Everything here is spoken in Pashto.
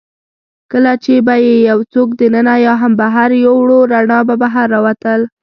کله چي به يې یوڅوک دننه یا هم بهر یووړ، رڼا به بهر راوتل.